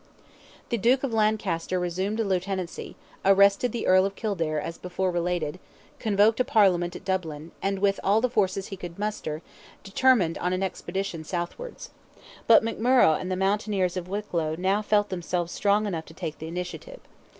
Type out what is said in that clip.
The Duke of Lancaster resumed the Lieutenancy, arrested the Earl of Kildare as before related, convoked a Parliament at Dublin, and with all the forces he could muster, determined on an expedition southwards. But McMurrogh and the mountaineers of Wicklow now felt themselves strong enough to take the initiative.